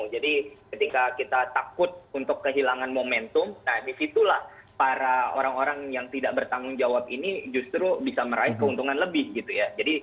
jadi ketika kita takut untuk kehilangan momentum nah disitulah para orang orang yang tidak bertanggung jawab ini justru bisa meraih keuntungan lebih gitu ya